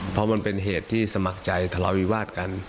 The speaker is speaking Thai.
เพราะมันเป็นเหตุที่สมัครใจทะเลาวิวาสกัน